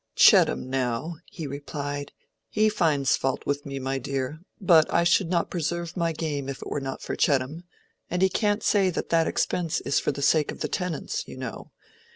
"Chettam, now," he replied; "he finds fault with me, my dear; but I should not preserve my game if it were not for Chettam, and he can't say that that expense is for the sake of the tenants, you know.